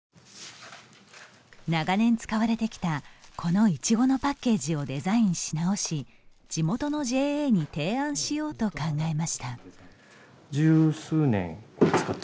長年使われてきた、このいちごのパッケージをデザインし直し地元のＪＡに提案しようと考えました。